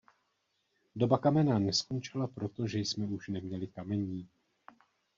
Doba kamenná neskončila proto, že jsme už neměli kamení.